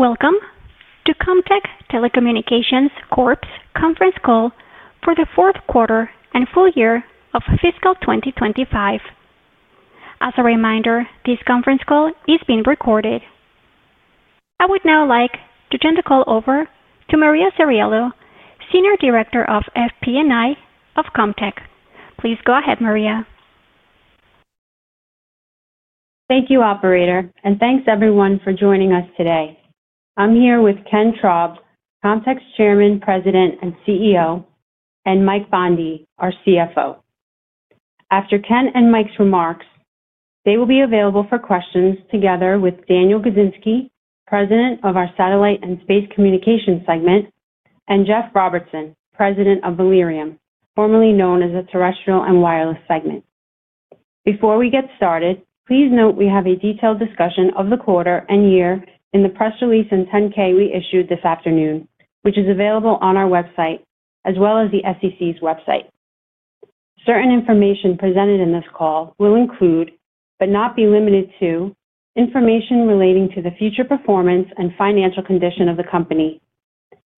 Welcome to Comtech Telecommunications Corp's conference call for the fourth quarter and full year of fiscal 2025. As a reminder, this conference call is being recorded. I would now like to turn the call over to Maria Ceriello, Senior Director of FP&A of Comtech. Please go ahead, Maria. Thank you, Operator, and thanks everyone for joining us today. I'm here with Ken Traub, Comtech's Chairman, President, and CEO, and Mike Bondi, our CFO. After Ken and Mike's remarks, they will be available for questions together with Daniel Gizinski, President of our Satellite and Space Communications Segment, and Jeff Robertson, President of Allerium, formerly known as the Terrestrial and Wireless Segment. Before we get started, please note we have a detailed discussion of the quarter and year in the press release and 10-K we issued this afternoon, which is available on our website as well as the SEC's website. Certain information presented in this call will include, but not be limited to, information relating to the future performance and financial condition of the company,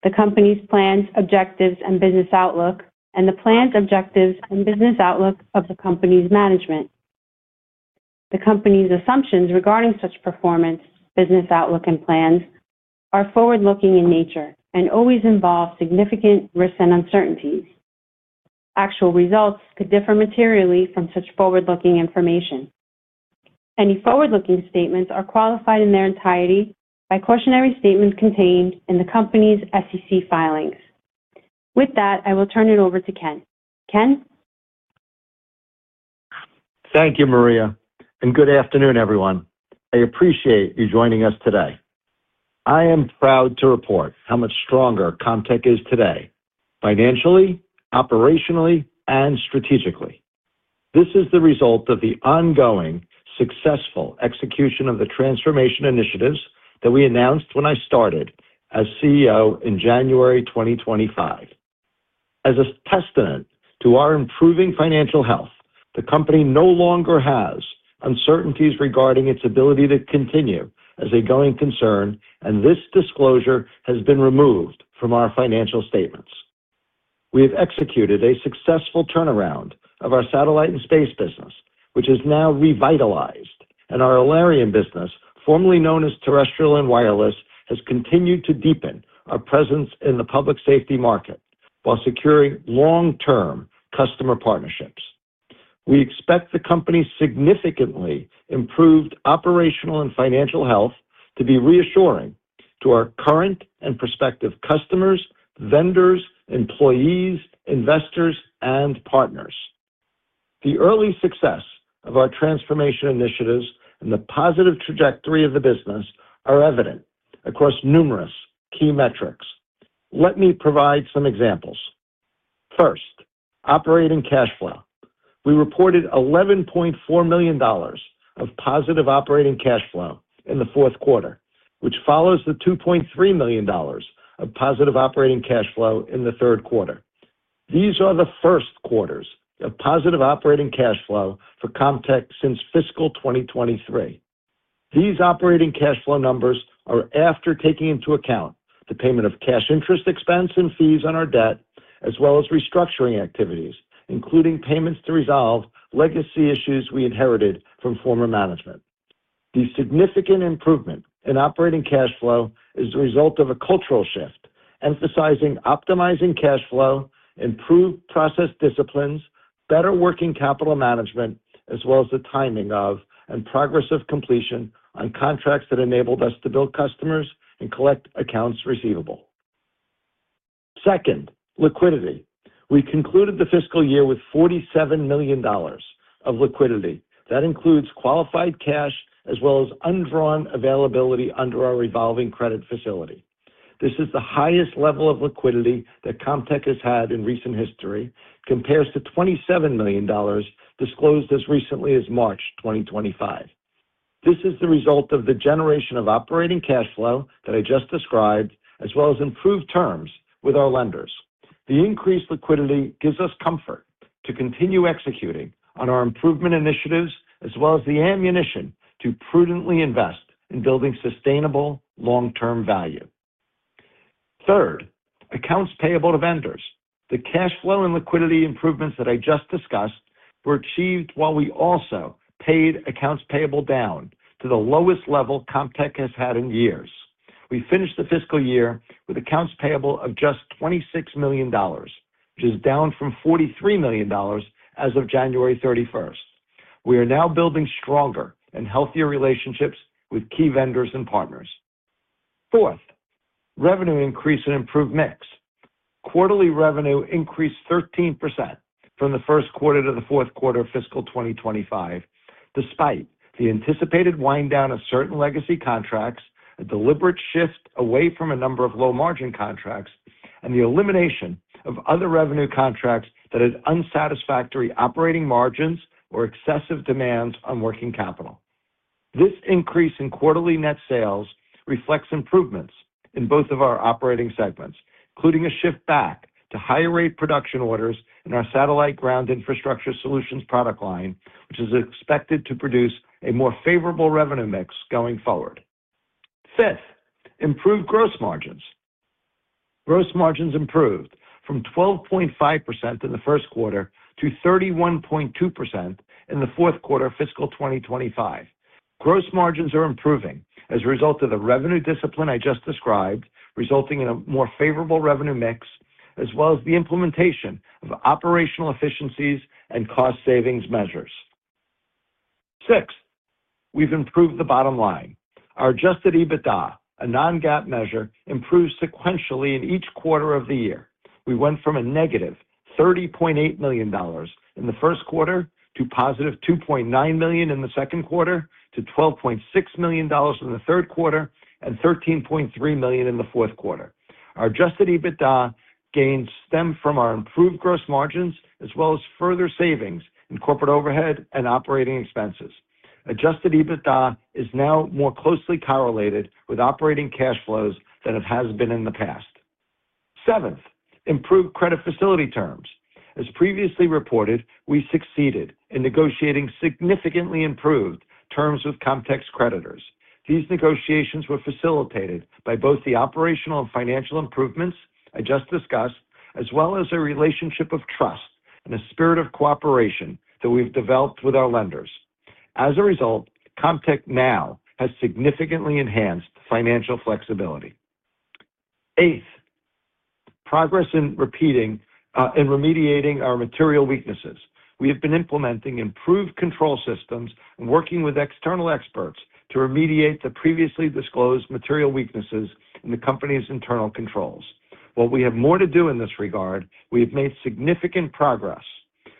the company's plans, objectives, and business outlook, and the plans, objectives, and business outlook of the company's management. The company's assumptions regarding such performance, business outlook, and plans are forward-looking in nature and always involve significant risks and uncertainties. Actual results could differ materially from such forward-looking information. Any forward-looking statements are qualified in their entirety by cautionary statements contained in the company's SEC filings. With that, I will turn it over to Ken. Ken? Thank you, Maria, and good afternoon, everyone. I appreciate you joining us today. I am proud to report how much stronger Comtech is today, financially, operationally, and strategically. This is the result of the ongoing, successful execution of the transformation initiatives that we announced when I started as CEO in January 2025. As a testament to our improving financial health, the company no longer has uncertainties regarding its ability to continue as a going concern, and this disclosure has been removed from our financial statements. We have executed a successful turnaround of our satellite and space business, which is now revitalized, and our Allerium business, formerly known as Terrestrial and Wireless, has continued to deepen our presence in the public safety market while securing long-term customer partnerships. We expect the company's significantly improved operational and financial health to be reassuring to our current and prospective customers, vendors, employees, investors, and partners. The early success of our transformation initiatives and the positive trajectory of the business are evident across numerous key metrics. Let me provide some examples. First, operating cash flow. We reported $11.4 million of positive operating cash flow in the fourth quarter, which follows the $2.3 million of positive operating cash flow in the third quarter. These are the first quarters of positive operating cash flow for Comtech since fiscal 2023. These operating cash flow numbers are after taking into account the payment of cash interest expense and fees on our debt, as well as restructuring activities, including payments to resolve legacy issues we inherited from former management. The significant improvement in operating cash flow is the result of a cultural shift emphasizing optimizing cash flow, improved process disciplines, better working capital management, as well as the timing of and progress of completion on contracts that enabled us to bill customers and collect accounts receivable. Second, liquidity. We concluded the fiscal year with $47 million of liquidity. That includes qualified cash as well as undrawn availability under our revolving credit facility. This is the highest level of liquidity that Comtech has had in recent history, compares to $27 million disclosed as recently as March 2025. This is the result of the generation of operating cash flow that I just described, as well as improved terms with our lenders. The increased liquidity gives us comfort to continue executing on our improvement initiatives, as well as the ammunition to prudently invest in building sustainable long-term value. Third, accounts payable to vendors. The cash flow and liquidity improvements that I just discussed were achieved while we also paid accounts payable down to the lowest level Comtech has had in years. We finished the fiscal year with accounts payable of just $26 million, which is down from $43 million as of January 31st. We are now building stronger and healthier relationships with key vendors and partners. Fourth, revenue increase and improved mix. Quarterly revenue increased 13% from the first quarter to the fourth quarter of fiscal 2025, despite the anticipated wind down of certain legacy contracts, a deliberate shift away from a number of low-margin contracts, and the elimination of other revenue contracts that had unsatisfactory operating margins or excessive demands on working capital. This increase in quarterly net sales reflects improvements in both of our operating segments, including a shift back to higher rate production orders in our satellite ground infrastructure solutions product line, which is expected to produce a more favorable revenue mix going forward. Fifth, improved gross margins. Gross margins improved from 12.5% in the first quarter to 31.2% in the fourth quarter of fiscal 2025. Gross margins are improving as a result of the revenue discipline I just described, resulting in a more favorable revenue mix, as well as the implementation of operational efficiencies and cost savings measures. Sixth, we've improved the bottom line. Our adjusted EBITDA, a non-GAAP measure, improves sequentially in each quarter of the year. We went from a -$30.8 million in the first quarter to +$2.9 million in the second quarter, to $12.6 million in the third quarter, and $13.3 million in the fourth quarter. Our adjusted EBITDA gains stem from our improved gross margins, as well as further savings in corporate overhead and operating expenses. Adjusted EBITDA is now more closely correlated with operating cash flows than it has been in the past. Seventh, improved credit facility terms. As previously reported, we succeeded in negotiating significantly improved terms with Comtech's creditors. These negotiations were facilitated by both the operational and financial improvements I just discussed, as well as a relationship of trust and a spirit of cooperation that we've developed with our lenders. As a result, Comtech now has significantly enhanced financial flexibility. Eighth, progress in repeating and remediating our material weaknesses. We have been implementing improved control systems and working with external experts to remediate the previously disclosed material weaknesses in the company's internal controls. While we have more to do in this regard, we have made significant progress.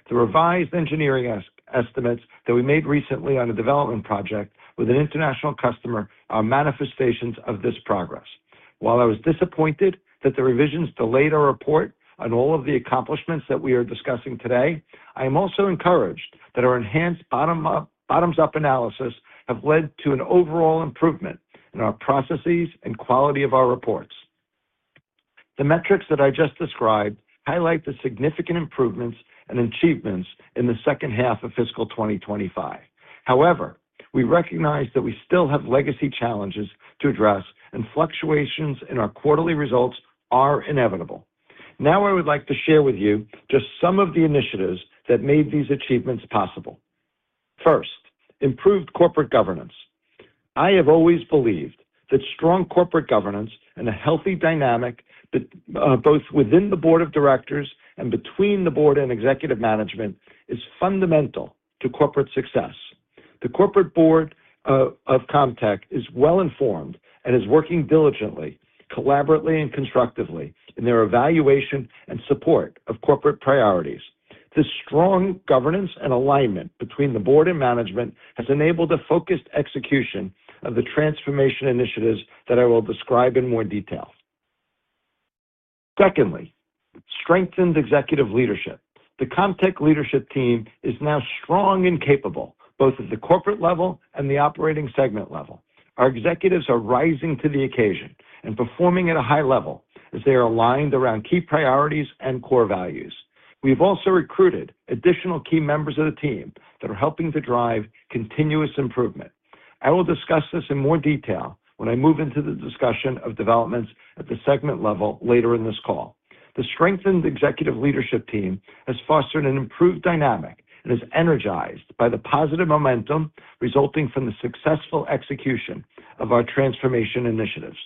The revised engineering estimates that we made recently on a development project with an international customer are manifestations of this progress. While I was disappointed that the revisions delayed our report on all of the accomplishments that we are discussing today, I am also encouraged that our enhanced bottoms-up analysis has led to an overall improvement in our processes and quality of our reports. The metrics that I just described highlight the significant improvements and achievements in the second half of fiscal 2025. However, we recognize that we still have legacy challenges to address, and fluctuations in our quarterly results are inevitable. Now I would like to share with you just some of the initiatives that made these achievements possible. First, improved corporate governance. I have always believed that strong corporate governance and a healthy dynamic both within the board of directors and between the board and executive management is fundamental to corporate success. The corporate board of Comtech is well-informed and is working diligently, collaboratively, and constructively in their evaluation and support of corporate priorities. This strong governance and alignment between the board and management has enabled a focused execution of the transformation initiatives that I will describe in more detail. Secondly, strengthened executive leadership. The Comtech leadership team is now strong and capable both at the corporate level and the operating segment level. Our executives are rising to the occasion and performing at a high level as they are aligned around key priorities and core values. We have also recruited additional key members of the team that are helping to drive continuous improvement. I will discuss this in more detail when I move into the discussion of developments at the segment level later in this call. The strengthened executive leadership team has fostered an improved dynamic and is energized by the positive momentum resulting from the successful execution of our transformation initiatives.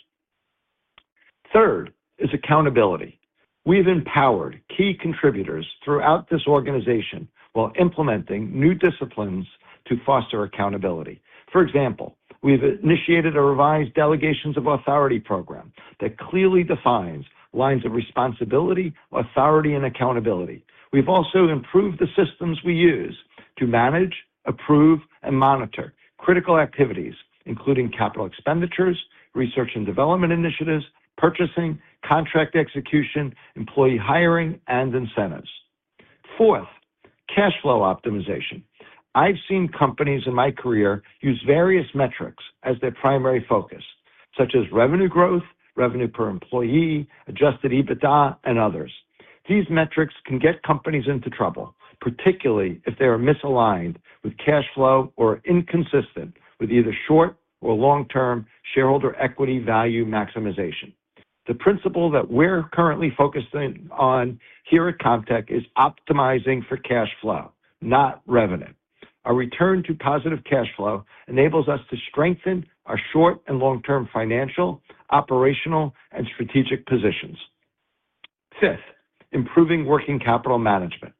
Third is accountability. We have empowered key contributors throughout this organization while implementing new disciplines to foster accountability. For example, we have initiated a revised delegations of authority program that clearly defines lines of responsibility, authority, and accountability. We've also improved the systems we use to manage, approve, and monitor critical activities, including capital expenditures, research and development initiatives, purchasing, contract execution, employee hiring, and incentives. Fourth, cash flow optimization. I've seen companies in my career use various metrics as their primary focus, such as revenue growth, revenue per employee, adjusted EBITDA, and others. These metrics can get companies into trouble, particularly if they are misaligned with cash flow or inconsistent with either short or long-term shareholder equity value maximization. The principle that we're currently focusing on here at Comtech is optimizing for cash flow, not revenue. Our return to positive cash flow enables us to strengthen our short and long-term financial, operational, and strategic positions. Fifth, improving working capital management.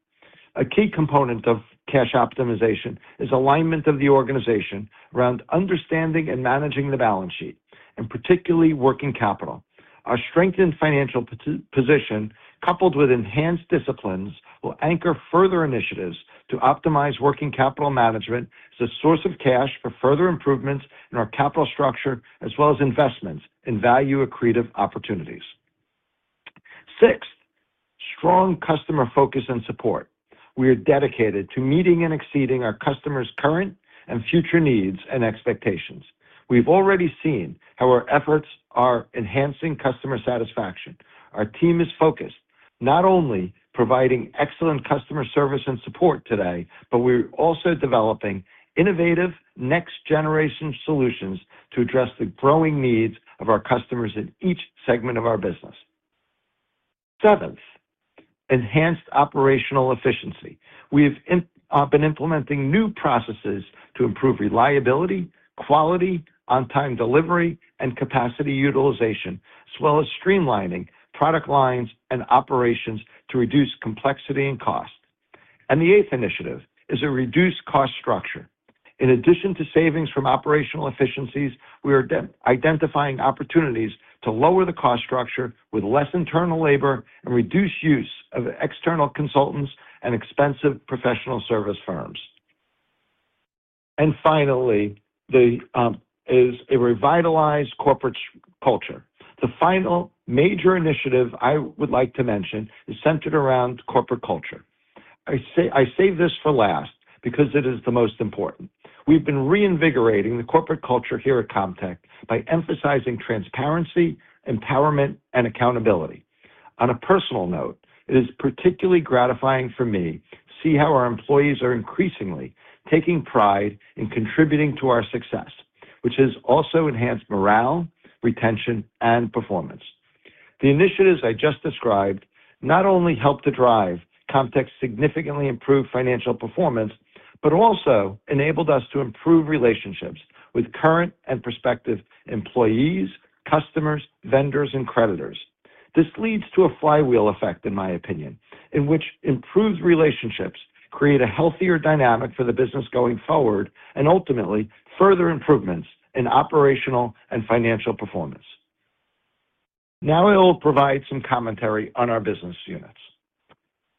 A key component of cash optimization is alignment of the organization around understanding and managing the balance sheet, and particularly working capital. Our strengthened financial position, coupled with enhanced disciplines, will anchor further initiatives to optimize working capital management as a source of cash for further improvements in our capital structure, as well as investments in value-accretive opportunities. Sixth, strong customer focus and support. We are dedicated to meeting and exceeding our customers' current and future needs and expectations. We've already seen how our efforts are enhancing customer satisfaction. Our team is focused not only on providing excellent customer service and support today, but we're also developing innovative next-generation solutions to address the growing needs of our customers in each segment of our business. Seventh, enhanced operational efficiency. We have been implementing new processes to improve reliability, quality, on-time delivery, and capacity utilization, as well as streamlining product lines and operations to reduce complexity and cost. The eighth initiative is a reduced cost structure. In addition to savings from operational efficiencies, we are identifying opportunities to lower the cost structure with less internal labor and reduce use of external consultants and expensive professional service firms. Finally, there is a revitalized corporate culture. The final major initiative I would like to mention is centered around corporate culture. I save this for last because it is the most important. We've been reinvigorating the corporate culture here at Comtech by emphasizing transparency, empowerment, and accountability. On a personal note, it is particularly gratifying for me to see how our employees are increasingly taking pride in contributing to our success, which has also enhanced morale, retention, and performance. The initiatives I just described not only helped to drive Comtech's significantly improved financial performance, but also enabled us to improve relationships with current and prospective employees, customers, vendors, and creditors. This leads to a flywheel effect, in my opinion, in which improved relationships create a healthier dynamic for the business going forward and ultimately further improvements in operational and financial performance. Now I will provide some commentary on our business units.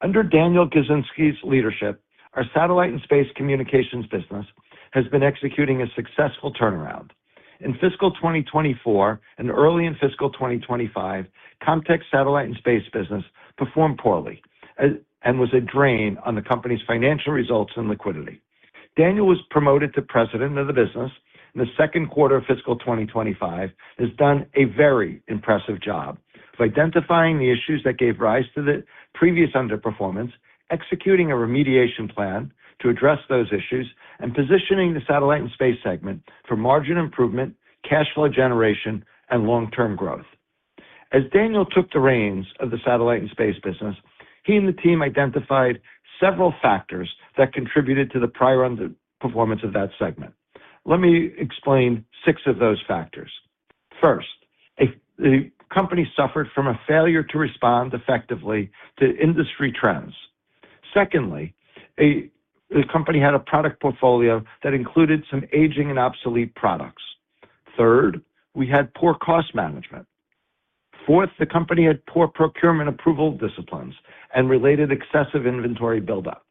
Under Daniel Gizinski's leadership, our satellite and space communications business has been executing a successful turnaround. In fiscal 2024 and early in fiscal 2025, Comtech's satellite and space business performed poorly and was a drain on the company's financial results and liquidity. Daniel was promoted to President of the business in the second quarter of fiscal 2025 and has done a very impressive job of identifying the issues that gave rise to the previous underperformance, executing a remediation plan to address those issues, and positioning the satellite and space segment for margin improvement, cash flow generation, and long-term growth. As Daniel took the reins of the satellite and space business, he and the team identified several factors that contributed to the prior underperformance of that segment. Let me explain six of those factors. First, the company suffered from a failure to respond effectively to industry trends. Secondly, the company had a product portfolio that included some aging and obsolete products. Third, we had poor cost management. Fourth, the company had poor procurement approval disciplines and related excessive inventory buildup.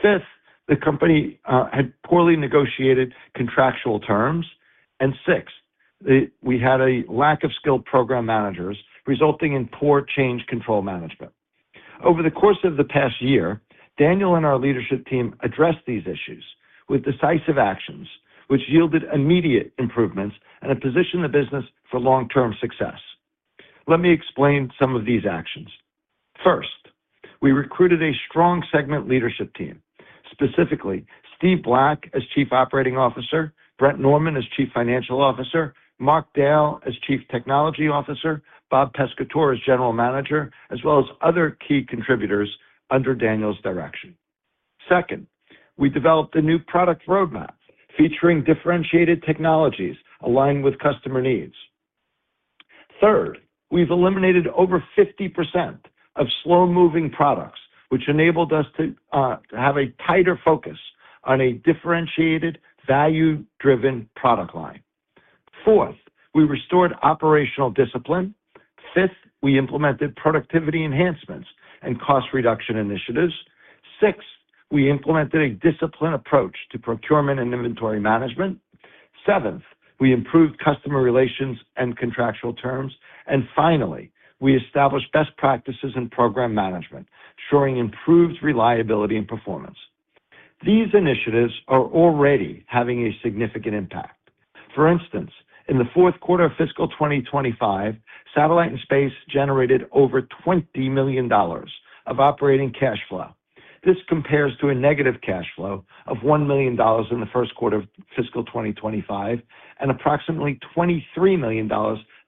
Fifth, the company had poorly negotiated contractual terms. Sixth, we had a lack of skilled program managers, resulting in poor change control management. Over the course of the past year, Daniel and our leadership team addressed these issues with decisive actions, which yielded immediate improvements and a position in the business for long-term success. Let me explain some of these actions. First, we recruited a strong segment leadership team, specifically Steve Black as Chief Operating Officer, Brent Norman as Chief Financial Officer, Mark Dale as Chief Technology Officer, Bob Pescator as General Manager, as well as other key contributors under Daniel's direction. Second, we developed a new product roadmap featuring differentiated technologies aligned with customer needs. Third, we've eliminated over 50% of slow-moving products, which enabled us to have a tighter focus on a differentiated, value-driven product line. Fourth, we restored operational discipline. Fifth, we implemented productivity enhancements and cost reduction initiatives. Sixth, we implemented a disciplined approach to procurement and inventory management. Seventh, we improved customer relations and contractual terms. Finally, we established best practices in program management, ensuring improved reliability and performance. These initiatives are already having a significant impact. For instance, in the fourth quarter of fiscal 2025, satellite and space generated over $20 million of operating cash flow. This compares to a negative cash flow of $1 million in the first quarter of fiscal 2025 and approximately $23 million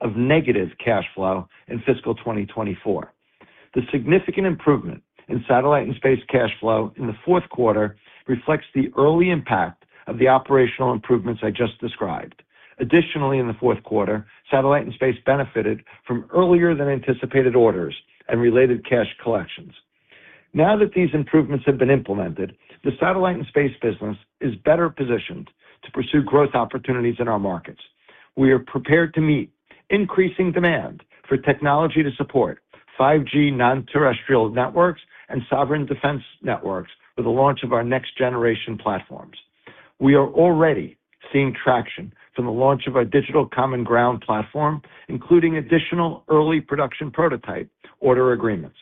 of negative cash flow in fiscal 2024. The significant improvement in satellite and space cash flow in the fourth quarter reflects the early impact of the operational improvements I just described. Additionally, in the fourth quarter, satellite and space benefited from earlier-than-anticipated orders and related cash collections. Now that these improvements have been implemented, the satellite and space business is better positioned to pursue growth opportunities in our markets. We are prepared to meet increasing demand for technology to support 5G non-terrestrial networks and sovereign defense networks with the launch of our next-generation platforms. We are already seeing traction from the launch of our Digital Common Ground Platform, including additional early production prototype order agreements.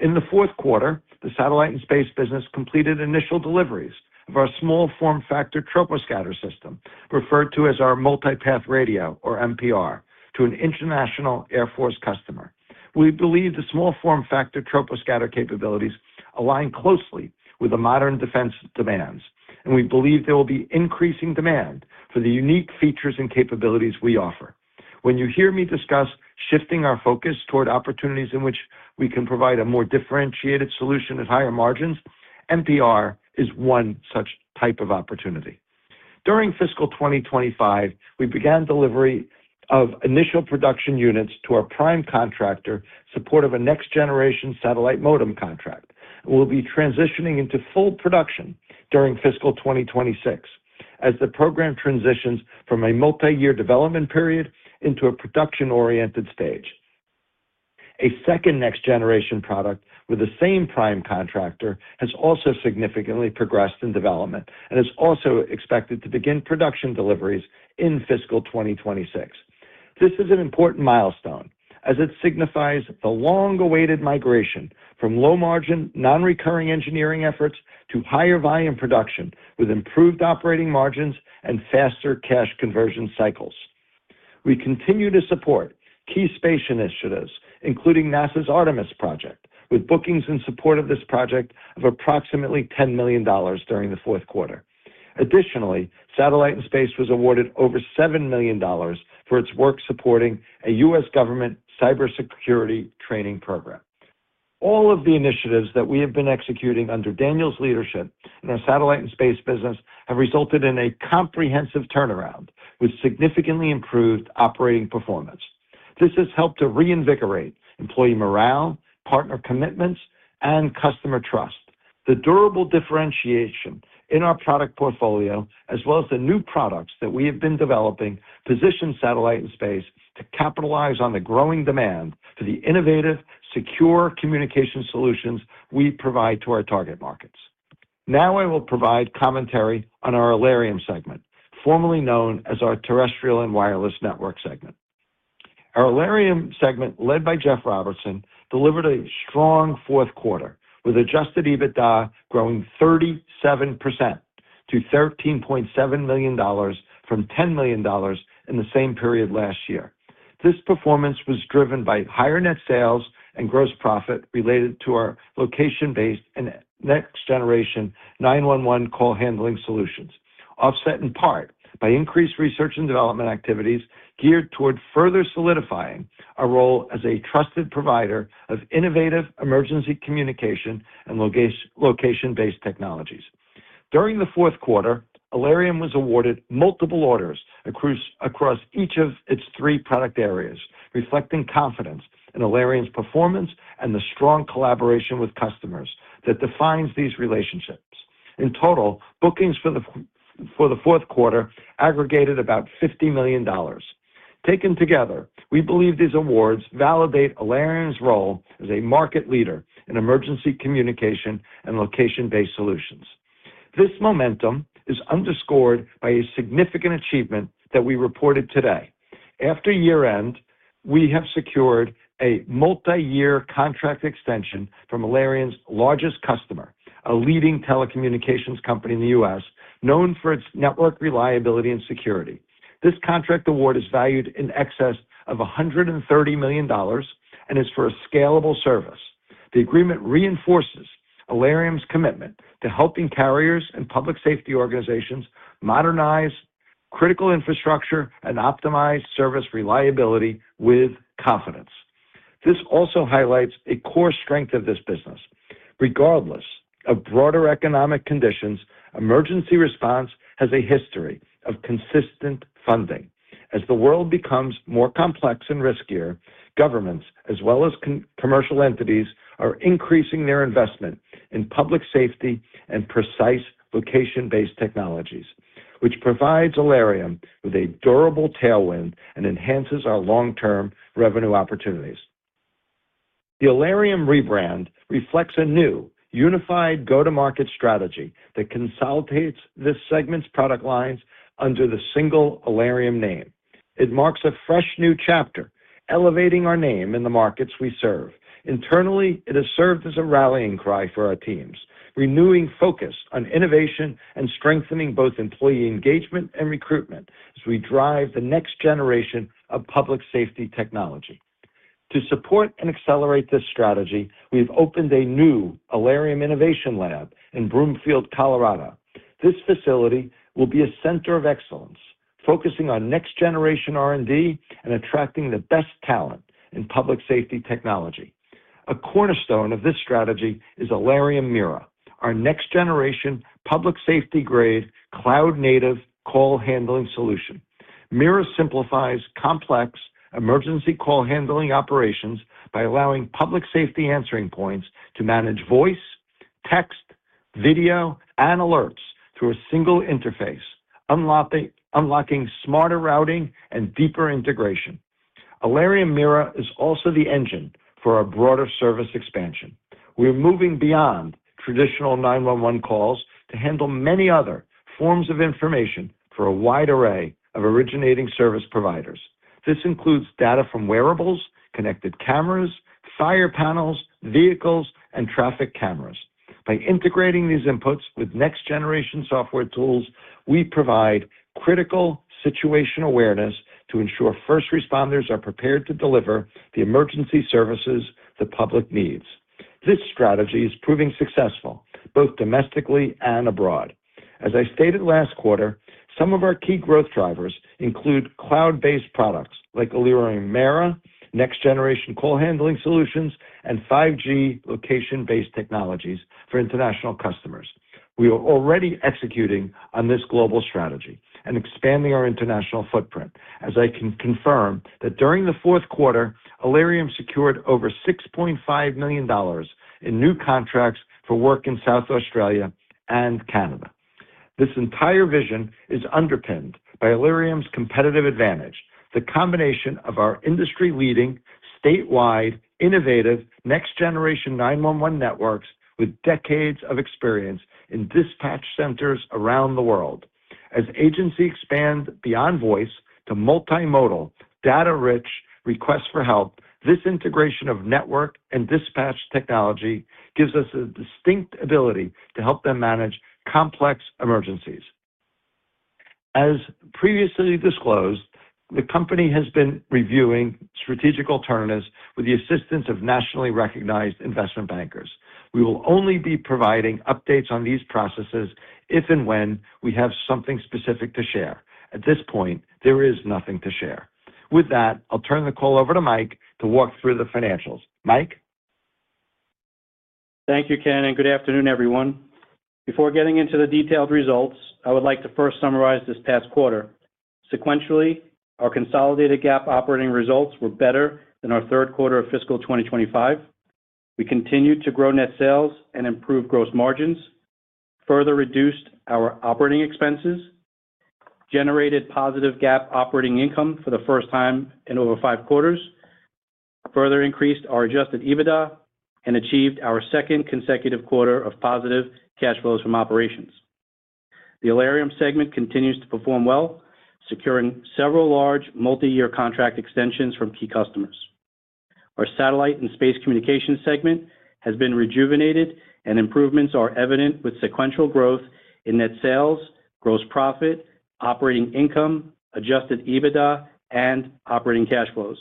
In the fourth quarter, the satellite and space business completed initial deliveries of our small form factor troposcatter system, referred to as our Multipath Radio, or MPR, to an international Air Force customer. We believe the small form factor troposcatter capabilities align closely with the modern defense demands, and we believe there will be increasing demand for the unique features and capabilities we offer. When you hear me discuss shifting our focus toward opportunities in which we can provide a more differentiated solution at higher margins, MPR is one such type of opportunity. During fiscal 2025, we began delivery of initial production units to our prime contractor in support of a next-generation satellite modem contract. We'll be transitioning into full production during fiscal 2026 as the program transitions from a multi-year development period into a production-oriented stage. A second next-generation product with the same prime contractor has also significantly progressed in development and is also expected to begin production deliveries in fiscal 2026. This is an important milestone as it signifies the long-awaited migration from low-margin, non-recurring engineering efforts to higher-volume production with improved operating margins and faster cash conversion cycles. We continue to support key space initiatives, including NASA's Artemis Project, with bookings in support of this project of approximately $10 million during the fourth quarter. Additionally, satellite and space was awarded over $7 million for its work supporting a U.S. government cybersecurity training program. All of the initiatives that we have been executing under Daniel's leadership in our satellite and space business have resulted in a comprehensive turnaround with significantly improved operating performance. This has helped to reinvigorate employee morale, partner commitments, and customer trust. The durable differentiation in our product portfolio, as well as the new products that we have been developing, positions satellite and space to capitalize on the growing demand for the innovative, secure communication solutions we provide to our target markets. Now I will provide commentary on our Allerium segment, formerly known as our terrestrial and wireless network segment. Our Allerium segment, led by Jeff Robertson, delivered a strong fourth quarter with adjusted EBITDA growing 37% to $13.7 million from $10 million in the same period last year. This performance was driven by higher net sales and gross profit related to our location-based and next-generation nine one one call handling solutions, offset in part by increased research and development activities geared toward further solidifying our role as a trusted provider of innovative emergency communication and location-based technologies. During the fourth quarter, Allerium was awarded multiple orders across each of its three product areas, reflecting confidence in Allerium's performance and the strong collaboration with customers that defines these relationships. In total, bookings for the fourth quarter aggregated about $50 million. Taken together, we believe these awards validate Allerium's role as a market leader in emergency communication and location-based solutions. This momentum is underscored by a significant achievement that we reported today. After year-end, we have secured a multi-year contract extension from Allerium's largest customer, a leading telecommunications company in the U.S., known for its network reliability and security. This contract award is valued in excess of $130 million and is for a scalable service. The agreement reinforces Allerium's commitment to helping carriers and public safety organizations modernize critical infrastructure and optimize service reliability with confidence. This also highlights a core strength of this business. Regardless of broader economic conditions, emergency response has a history of consistent funding. As the world becomes more complex and riskier, governments, as well as commercial entities, are increasing their investment in public safety and precise location-based technologies, which provides Allerium with a durable tailwind and enhances our long-term revenue opportunities. The Allerium rebrand reflects a new, unified go-to-market strategy that consolidates this segment's product lines under the single Allerium name. It marks a fresh new chapter, elevating our name in the markets we serve. Internally, it has served as a rallying cry for our teams, renewing focus on innovation and strengthening both employee engagement and recruitment as we drive the next generation of public safety technology. To support and accelerate this strategy, we have opened a new Allerium Innovation Lab in Broomfield, Colorado. This facility will be a center of excellence, focusing on next-generation R&D and attracting the best talent in public safety technology. A cornerstone of this strategy is Allerium Mira, our next-generation public safety-grade cloud-native call handling solution. Mira simplifies complex emergency call handling operations by allowing public safety answering points to manage voice, text, video, and alerts through a single interface, unlocking smarter routing and deeper integration. Allerium Mira is also the engine for our broader service expansion. We are moving beyond traditional nine one one calls to handle many other forms of information for a wide array of originating service providers. This includes data from wearables, connected cameras, fire panels, vehicles, and traffic cameras. By integrating these inputs with next-generation software tools, we provide critical situation awareness to ensure first responders are prepared to deliver the emergency services the public needs. This strategy is proving successful both domestically and abroad. As I stated last quarter, some of our key growth drivers include cloud-based products like Allerium Mira, next-generation call handling solutions, and 5G location-based technologies for international customers. We are already executing on this global strategy and expanding our international footprint, as I can confirm that during the fourth quarter, Allerium secured over $6.5 million in new contracts for work in South Australia and Canada. This entire vision is underpinned by Allerium's competitive advantage, the combination of our industry-leading statewide innovative next-generation nine one one networks with decades of experience in dispatch centers around the world. As agency expands beyond voice to multimodal, data-rich requests for help, this integration of network and dispatch technology gives us a distinct ability to help them manage complex emergencies. As previously disclosed, the company has been reviewing strategic alternatives with the assistance of nationally recognized investment bankers. We will only be providing updates on these processes if and when we have something specific to share. At this point, there is nothing to share. With that, I'll turn the call over to Mike to walk through the financials. Mike. Thank you, Ken, and good afternoon, everyone. Before getting into the detailed results, I would like to first summarize this past quarter. Sequentially, our consolidated GAAP operating results were better than our third quarter of fiscal 2025. We continued to grow net sales and improve gross margins, further reduced our operating expenses, generated positive GAAP operating income for the first time in over five quarters, further increased our adjusted EBITDA, and achieved our second consecutive quarter of positive cash flows from operations. The Allerium segment continues to perform well, securing several large multi-year contract extensions from key customers. Our Satellite and Space Communications segment has been rejuvenated, and improvements are evident with sequential growth in net sales, gross profit, operating income, adjusted EBITDA, and operating cash flows.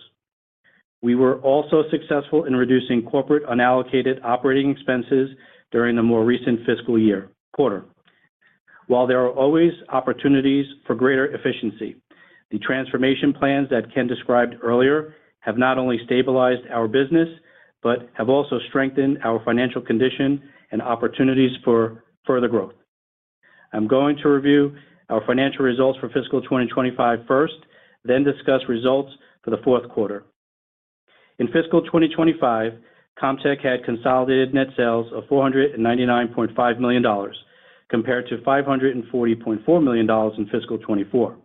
We were also successful in reducing corporate unallocated operating expenses during the more recent fiscal quarter. While there are always opportunities for greater efficiency, the transformation plans that Ken described earlier have not only stabilized our business but have also strengthened our financial condition and opportunities for further growth. I'm going to review our financial results for fiscal 2025 first, then discuss results for the fourth quarter. In fiscal 2025, Comtech had consolidated net sales of $499.5 million, compared to $540.4 million in fiscal 2024.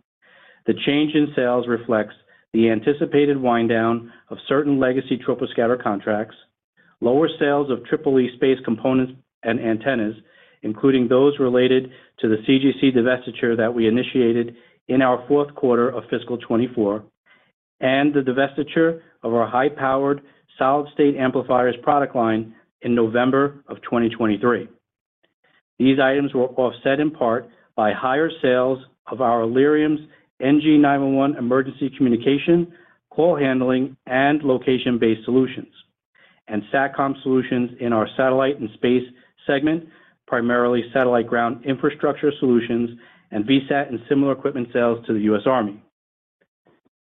The change in sales reflects the anticipated winddown of certain legacy troposcatter contracts, lower sales of triple-E space components and antennas, including those related to the CGC divestiture that we initiated in our fourth quarter of fiscal 2024, and the divestiture of our high-powered solid-state amplifiers product line in November of 2023. These items were offset in part by higher sales of our Allerium's NG9-1-1 emergency communication, call handling, and location-based solutions, and Satcom solutions in our satellite and space segment, primarily satellite ground infrastructure solutions and VSAT and similar equipment sales to the U.S. Army.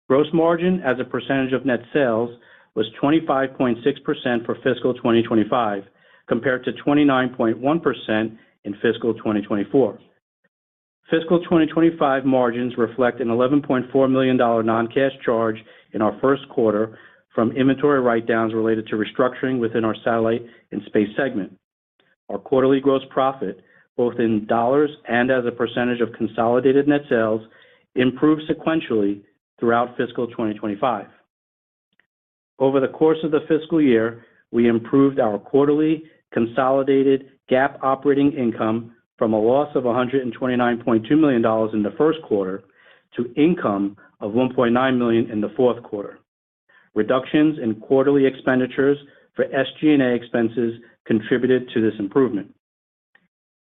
Gross margin as a percentage of net sales was 25.6% for fiscal 2025, compared to 29.1% in fiscal 2024. Fiscal 2025 margins reflect an $11.4 million non-cash charge in our first quarter from inventory write-downs related to restructuring within our satellite and space segment. Our quarterly gross profit, both in dollars and as a percentage of consolidated net sales, improved sequentially throughout fiscal 2025. Over the course of the fiscal year, we improved our quarterly consolidated GAAP operating income from a loss of $129.2 million in the first quarter to income of $1.9 million in the fourth quarter. Reductions in quarterly expenditures for SG&A expenses contributed to this improvement.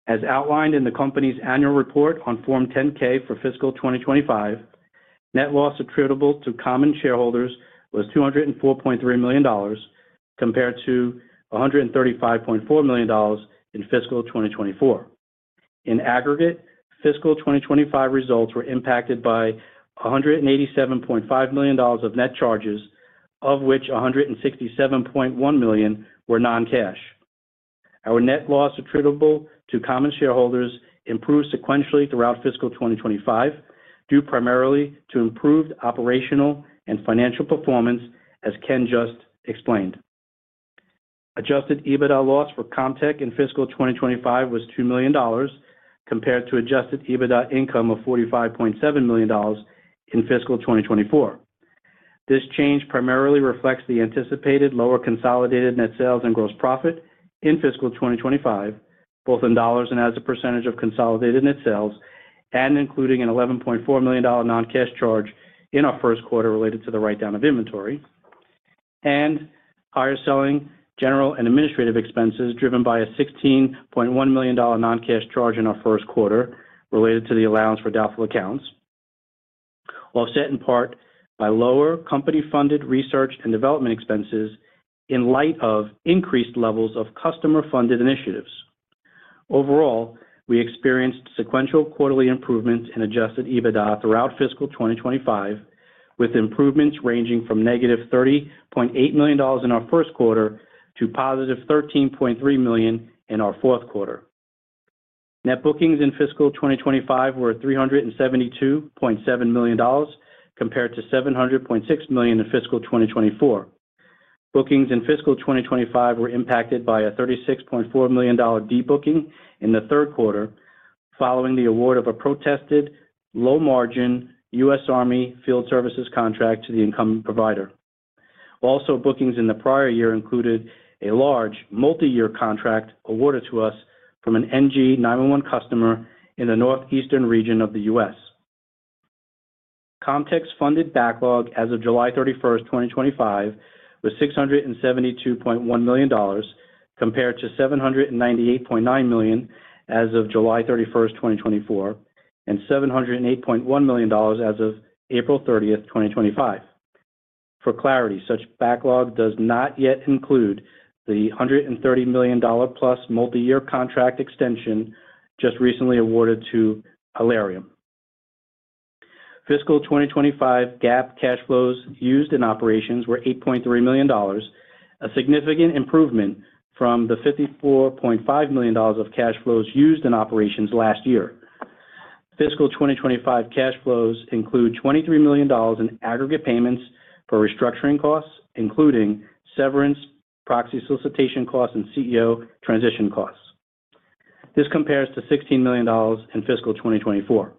As outlined in the company's annual report on Form 10-K for fiscal 2025, net loss attributable to common shareholders was $204.3 million, compared to $135.4 million in fiscal 2024. In aggregate, fiscal 2025 results were impacted by $187.5 million of net charges, of which $167.1 million were non-cash. Our net loss attributable to common shareholders improved sequentially throughout fiscal 2025 due primarily to improved operational and financial performance, as Ken just explained. Adjusted EBITDA loss for Comtech in fiscal 2025 was $2 million, compared to adjusted EBITDA income of $45.7 million in fiscal 2024. This change primarily reflects the anticipated lower consolidated net sales and gross profit in fiscal 2025, both in dollars and as a percentage of consolidated net sales, and including an $11.4 million non-cash charge in our first quarter related to the write-down of inventory, and higher selling, general and administrative expenses driven by a $16.1 million non-cash charge in our first quarter related to the allowance for doubtful accounts, offset in part by lower company-funded research and development expenses in light of increased levels of customer-funded initiatives. Overall, we experienced sequential quarterly improvements in adjusted EBITDA throughout fiscal 2025, with improvements ranging from -$30.8 million in our first quarter to +$13.3 million in our fourth quarter. Net bookings in fiscal 2025 were $372.7 million, compared to $700.6 million in fiscal 2024. Bookings in fiscal 2025 were impacted by a $36.4 million debooking in the third quarter following the award of a protested low-margin U.S. Army field services contract to the incoming provider. Also, bookings in the prior year included a large multi-year contract awarded to us from an NG9-1-1 customer in the northeastern region of the U.S. Comtech's funded backlog as of July 31, 2025, was $672.1 million, compared to $798.9 million as of July 31st, 2024, and $708.1 million as of April 30th, 2025. For clarity, such backlog does not yet include the $130+ million multi-year contract extension just recently awarded to Allerium. Fiscal 2025 GAAP cash flows used in operations were $8.3 million, a significant improvement from the $54.5 million of cash flows used in operations last year. Fiscal 2025 cash flows include $23 million in aggregate payments for restructuring costs, including severance, proxy solicitation costs, and CEO transition costs. This compares to $16 million in fiscal 2024.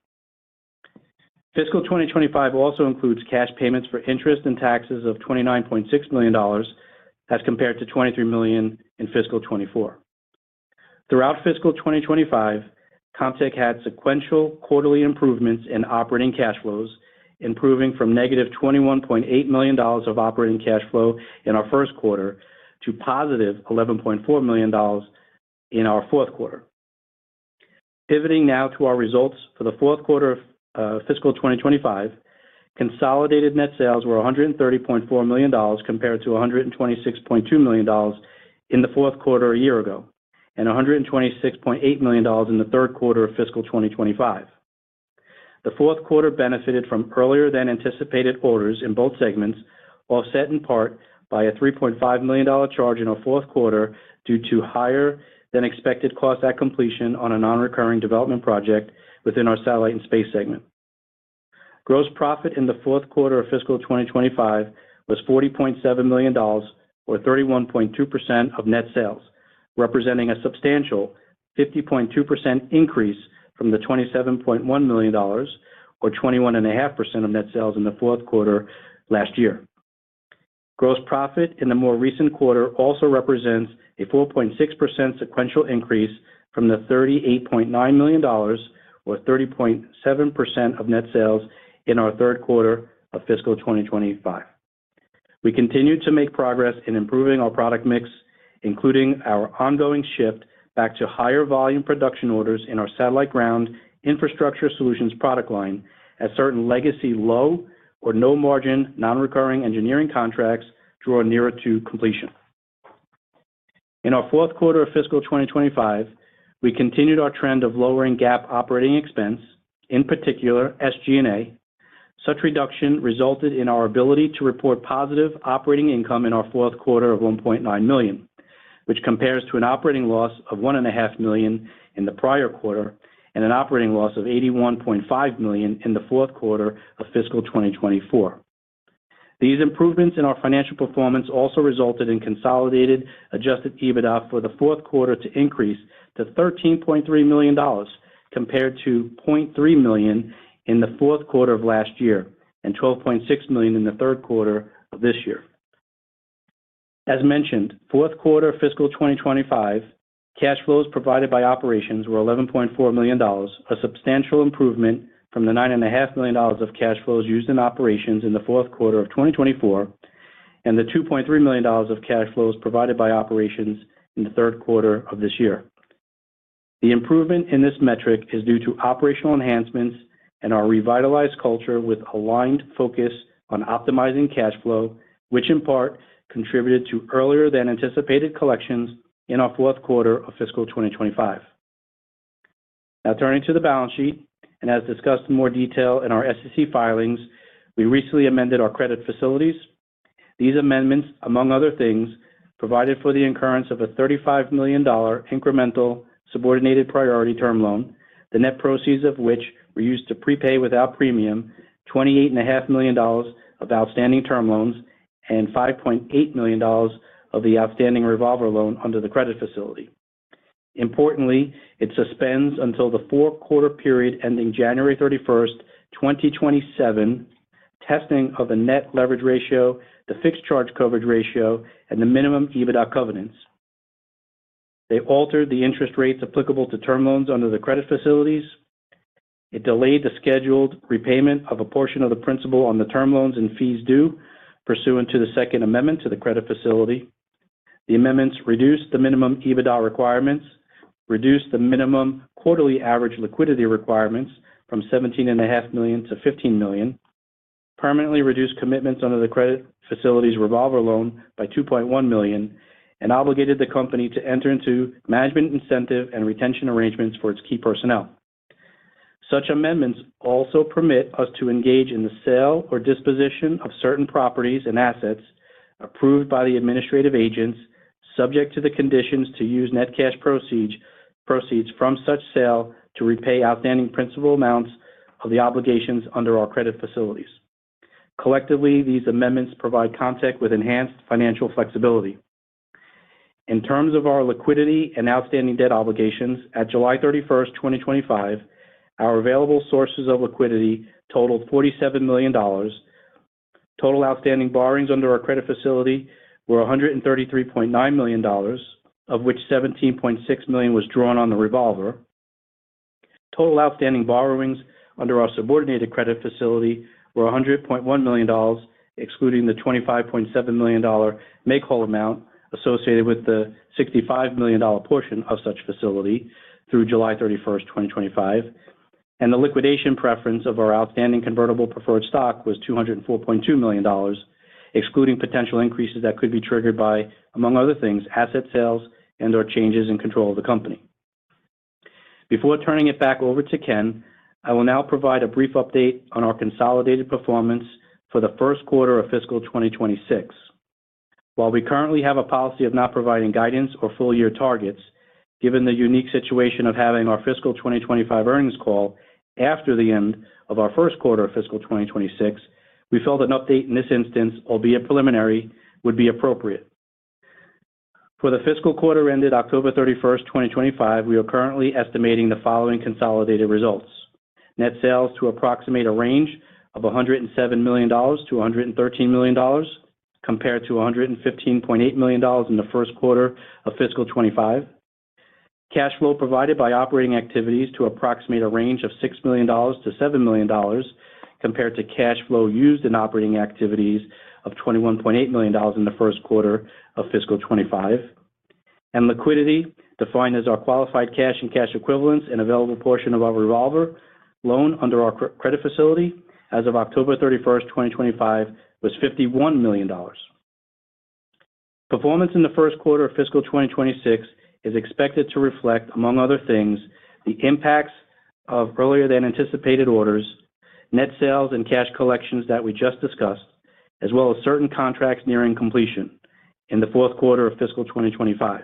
Fiscal 2025 also includes cash payments for interest and taxes of $29.6 million, as compared to $23 million in fiscal 2024. Throughout fiscal 2025, Comtech had sequential quarterly improvements in operating cash flows, improving from -$21.8 million of operating cash flow in our first quarter to +$11.4 million in our fourth quarter. Pivoting now to our results for the fourth quarter of fiscal 2025, consolidated net sales were $130.4 million, compared to $126.2 million in the fourth quarter a year ago, and $126.8 million in the third quarter of fiscal 2025. The fourth quarter benefited from earlier-than-anticipated orders in both segments, offset in part by a $3.5 million charge in our fourth quarter due to higher-than-expected cost at completion on a non-recurring development project within our satellite and space segment. Gross profit in the fourth quarter of fiscal 2025 was $40.7 million, or 31.2% of net sales, representing a substantial 50.2% increase from the $27.1 million, or 21.5% of net sales in the fourth quarter last year. Gross profit in the more recent quarter also represents a 4.6% sequential increase from the $38.9 million, or 30.7% of net sales in our third quarter of fiscal 2025. We continue to make progress in improving our product mix, including our ongoing shift back to higher volume production orders in our satellite ground infrastructure solutions product line, as certain legacy low or no-margin non-recurring engineering contracts draw nearer to completion. In our fourth quarter of fiscal 2025, we continued our trend of lowering GAAP operating expense, in particular SG&A. Such reduction resulted in our ability to report positive operating income in our fourth quarter of $1.9 million, which compares to an operating loss of $1.5 million in the prior quarter and an operating loss of $81.5 million in the fourth quarter of fiscal 2024. These improvements in our financial performance also resulted in consolidated adjusted EBITDA for the fourth quarter to increase to $13.3 million, compared to $0.3 million in the fourth quarter of last year and $12.6 million in the third quarter of this year. As mentioned, fourth quarter of fiscal 2025, cash flows provided by operations were $11.4 million, a substantial improvement from the $9.5 million of cash flows used in operations in the fourth quarter of 2024, and the $2.3 million of cash flows provided by operations in the third quarter of this year. The improvement in this metric is due to operational enhancements and our revitalized culture with aligned focus on optimizing cash flow, which in part contributed to earlier-than-anticipated collections in our fourth quarter of fiscal 2025. Now, turning to the balance sheet, and as discussed in more detail in our SEC filings, we recently amended our credit facilities. These amendments, among other things, provided for the incurrence of a $35 million incremental subordinated priority term loan, the net proceeds of which were used to prepay without premium $28.5 million of outstanding term loans and $5.8 million of the outstanding revolver loan under the credit facility. Importantly, it suspends until the 4Q period ending January 31st, 2027, testing of the net leverage ratio, the fixed charge coverage ratio, and the minimum EBITDA covenants. They altered the interest rates applicable to term loans under the credit facilities. It delayed the scheduled repayment of a portion of the principal on the term loans and fees due, pursuant to the Second Amendment to the credit facility. The amendments reduced the minimum EBITDA requirements, reduced the minimum quarterly average liquidity requirements from $17.5 million to $15 million, permanently reduced commitments under the credit facility's revolver loan by $2.1 million, and obligated the company to enter into management incentive and retention arrangements for its key personnel. Such amendments also permit us to engage in the sale or disposition of certain properties and assets approved by the administrative agents, subject to the conditions to use net cash proceeds from such sale to repay outstanding principal amounts of the obligations under our credit facilities. Collectively, these amendments provide Comtech with enhanced financial flexibility. In terms of our liquidity and outstanding debt obligations, at July 31st, 2025, our available sources of liquidity totaled $47 million. Total outstanding borrowings under our credit facility were $133.9 million, of which $17.6 million was drawn on the revolver. Total outstanding borrowings under our subordinated credit facility were $100.1 million, excluding the $25.7 million make-hole amount associated with the $65 million portion of such facility through July 31st, 2025. The liquidation preference of our outstanding convertible preferred stock was $204.2 million, excluding potential increases that could be triggered by, among other things, asset sales and/or changes in control of the company. Before turning it back over to Ken, I will now provide a brief update on our consolidated performance for the first quarter of fiscal 2026. While we currently have a policy of not providing guidance or full-year targets, given the unique situation of having our fiscal 2025 earnings call after the end of our first quarter of fiscal 2026, we felt an update in this instance, albeit preliminary, would be appropriate. For the fiscal quarter ended October 31st, 2025, we are currently estimating the following consolidated results: net sales to approximate a range of $107 million-$113 million, compared to $115.8 million in the first quarter of fiscal 2025. Cash flow provided by operating activities to approximate a range of $6 million-$7 million, compared to cash flow used in operating activities of $21.8 million in the first quarter of fiscal 2025. Liquidity, defined as our qualified cash and cash equivalents and available portion of our revolver loan under our credit facility as of October 31st, 2025, was $51 million. Performance in the first quarter of fiscal 2026 is expected to reflect, among other things, the impacts of earlier-than-anticipated orders, net sales and cash collections that we just discussed, as well as certain contracts nearing completion in the fourth quarter of fiscal 2025.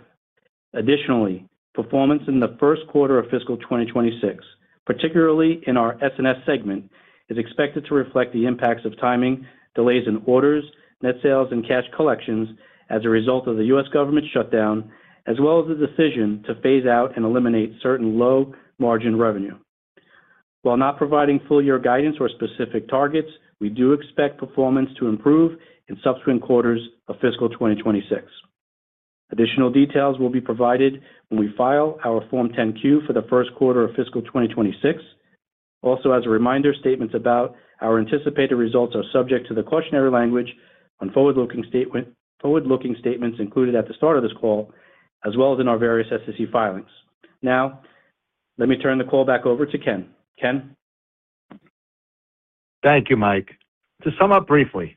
Additionally, performance in the first quarter of fiscal 2026, particularly in our S&S segment, is expected to reflect the impacts of timing, delays in orders, net sales, and cash collections as a result of the U.S. government shutdown, as well as the decision to phase out and eliminate certain low-margin revenue. While not providing full-year guidance or specific targets, we do expect performance to improve in subsequent quarters of fiscal 2026. Additional details will be provided when we file our Form 10-Q for the first quarter of fiscal 2026. Also, as a reminder, statements about our anticipated results are subject to the cautionary language on forward-looking statements included at the start of this call, as well as in our various SEC filings. Now, let me turn the call back over to Ken. Ken. Thank you, Mike. To sum up briefly,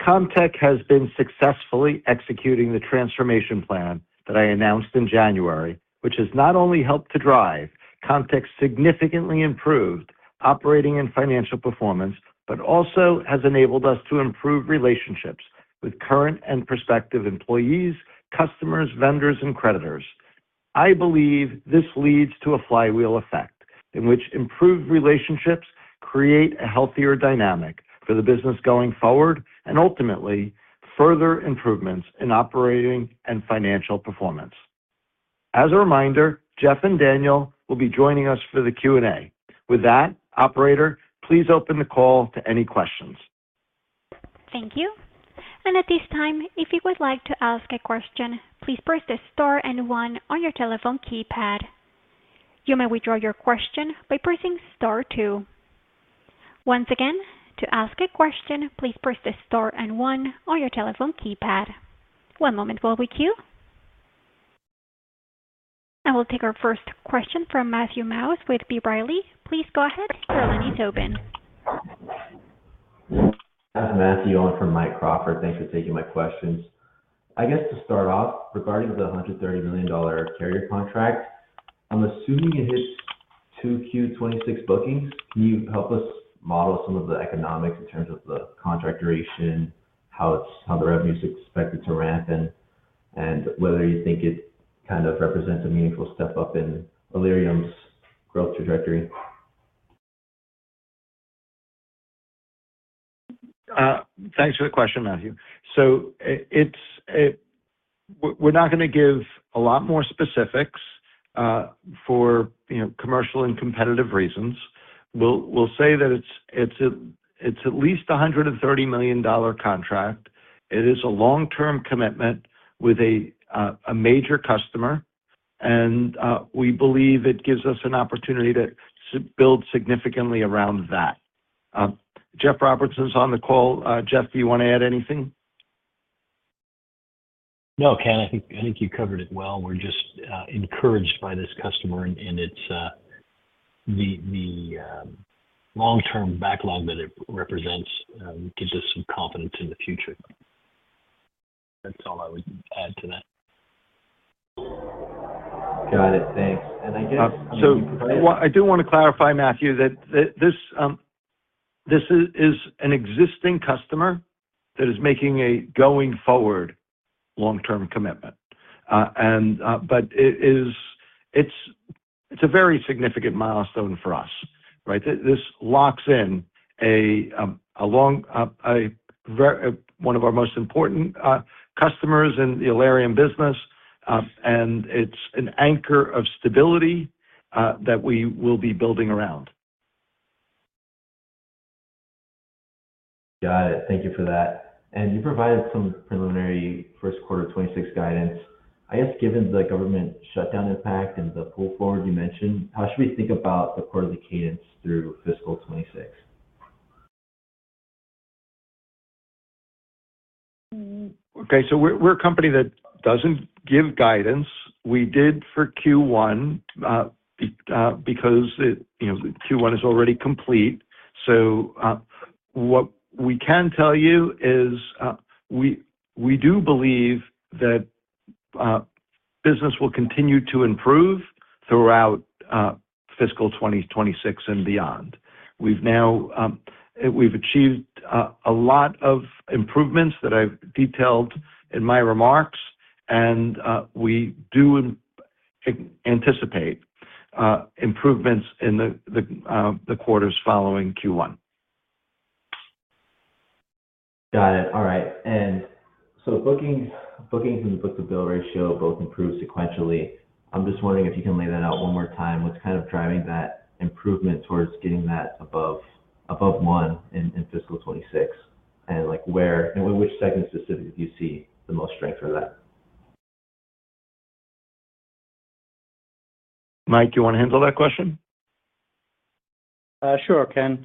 Comtech has been successfully executing the transformation plan that I announced in January, which has not only helped to drive Comtech's significantly improved operating and financial performance, but also has enabled us to improve relationships with current and prospective employees, customers, vendors, and creditors. I believe this leads to a flywheel effect in which improved relationships create a healthier dynamic for the business going forward and, ultimately, further improvements in operating and financial performance. As a reminder, Jeff and Daniel will be joining us for the Q&A. With that, Operator, please open the call to any questions. Thank you. At this time, if you would like to ask a question, please press the star and one on your telephone keypad. You may withdraw your question by pressing star two. Once again, to ask a question, please press the star and one on your telephone keypad. One moment while we queue. We'll take our first question from Matthew Mouse with B. Riley. Please go ahead. Your line is open. Matthew, I'm from Mike Crawford. Thanks for taking my questions. I guess to start off, regarding the $130 million carrier contract, I'm assuming it hits 2Q 2026 bookings. Can you help us model some of the economics in terms of the contract duration, how the revenue is expected to ramp, and whether you think it kind of represents a meaningful step up in Allerium's growth trajectory? Thanks for the question, Matthew. We're not going to give a lot more specifics for commercial and competitive reasons. We'll say that it's at least a $130 million contract. It is a long-term commitment with a major customer, and we believe it gives us an opportunity to build significantly around that. Jeff Robertson's on the call. Jeff, do you want to add anything? No, Ken, I think you covered it well. We're just encouraged by this customer and the long-term backlog that it represents gives us some confidence in the future. That's all I would add to that. Got it. Thanks. I guess I'm going to be precise. I do want to clarify, Matthew, that this is an existing customer that is making a going-forward long-term commitment. It's a very significant milestone for us, right? This locks in one of our most important customers in the Allerium business, and it's an anchor of stability that we will be building around. Got it. Thank you for that. You provided some preliminary first quarter 2026 guidance. I guess given the government shutdown impact and the pull forward you mentioned, how should we think about the quarterly cadence through fiscal 2026? Okay. We're a company that doesn't give guidance. We did for Q one because Q one is already complete. What we can tell you is we do believe that business will continue to improve throughout fiscal 2026 and beyond. We've achieved a lot of improvements that I've detailed in my remarks, and we do anticipate improvements in the quarters following Q one. Got it. All right. Bookings and the book-to-bill ratio both improved sequentially. I'm just wondering if you can lay that out one more time. What's kind of driving that improvement towards getting that above one in fiscal 2026? Which segment specifically do you see the most strength for that? Mike, do you want to handle that question? Sure, Ken.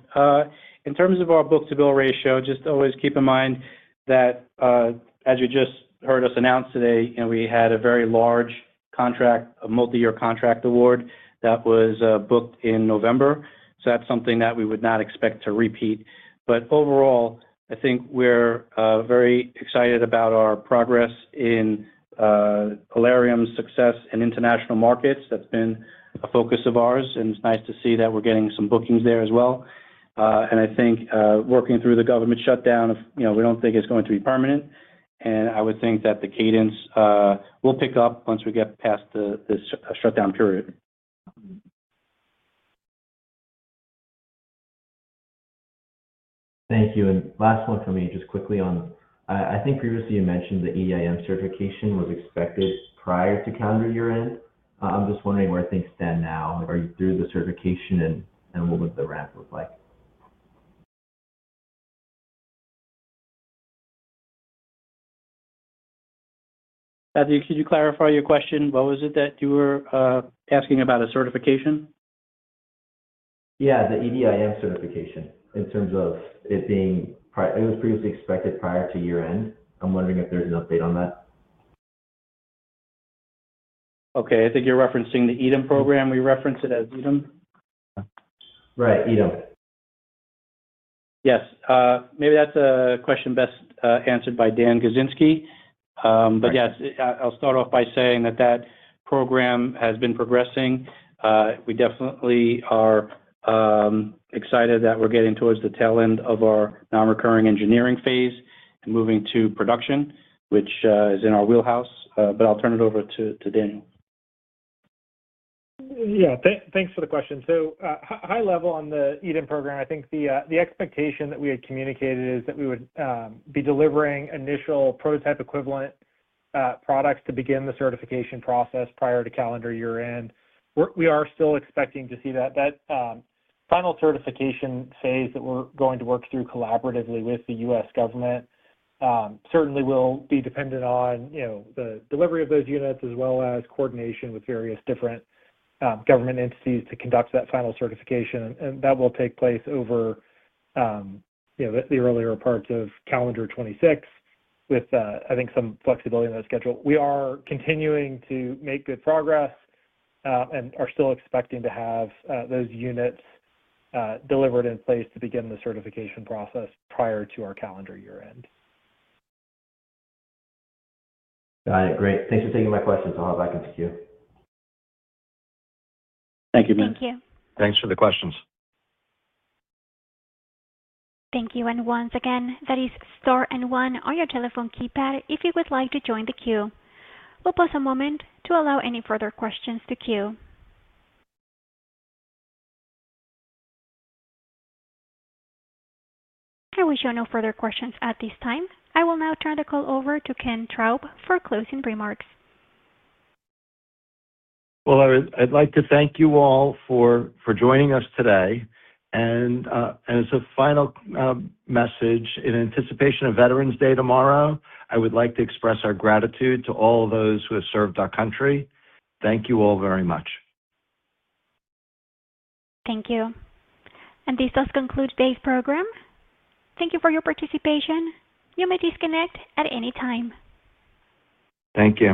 In terms of our book-to-bill ratio, just always keep in mind that, as you just heard us announce today, we had a very large contract, a multi-year contract award that was booked in November. That is something that we would not expect to repeat. Overall, I think we are very excited about our progress in Allerium's success in international markets. That has been a focus of ours, and it is nice to see that we are getting some bookings there as well. I think working through the government shutdown, we do not think it is going to be permanent. I would think that the cadence will pick up once we get past this shutdown period. Thank you. Last one from me, just quickly on, I think previously you mentioned the EDIM certification was expected prior to calendar year-end. I am just wondering where things stand now. Are you through the certification, and what would the ramp look like? Matthew, could you clarify your question? What was it that you were asking about, a certification? Yeah, the EDIM certification in terms of it being it was previously expected prior to year-end. I'm wondering if there's an update on that. Okay. I think you're referencing the EDIM program. We reference it as EDIM. Right, EDIM. Yes. Maybe that's a question best answered by Daniel Gizinski. Yes, I'll start off by saying that that program has been progressing. We definitely are excited that we're getting towards the tail end of our non-recurring engineering phase and moving to production, which is in our wheelhouse. I'll turn it over to Daniel. Yeah. Thanks for the question. High level on the EDIM program, I think the expectation that we had communicated is that we would be delivering initial prototype equivalent products to begin the certification process prior to calendar year-end. We are still expecting to see that final certification phase that we are going to work through collaboratively with the U.S. government certainly will be dependent on the delivery of those units as well as coordination with various different government entities to conduct that final certification. That will take place over the earlier parts of calendar 2026 with, I think, some flexibility in that schedule. We are continuing to make good progress and are still expecting to have those units delivered in place to begin the certification process prior to our calendar year-end. Got it. Great. Thanks for taking my questions. I'll have that continue. Thank you, Mike. Thank you. Thanks for the questions. Thank you. Once again, that is star and one on your telephone keypad if you would like to join the queue. We'll pause a moment to allow any further questions to queue. I wish you no further questions at this time. I will now turn the call over to Ken Traub for closing remarks. I would like to thank you all for joining us today. As a final message, in anticipation of Veterans Day tomorrow, I would like to express our gratitude to all those who have served our country. Thank you all very much. Thank you. This does conclude today's program. Thank you for your participation. You may disconnect at any time. Thank you.